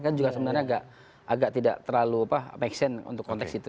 kan juga sebenarnya agak tidak terlalu make sense untuk konteks itu